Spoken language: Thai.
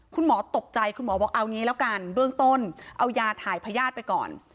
คุณหมอตกใจคุณหมอบอกเอางี้แล้วกันเบื้องต้นเอายาถ่ายพญาติไปก่อน